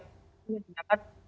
tapi ini diangkat